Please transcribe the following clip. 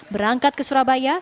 berangkat ke surabaya